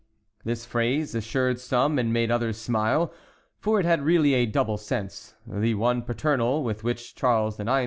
This phrase assured some and made others smile, for it had really a double sense: the one paternal, with which Charles IX.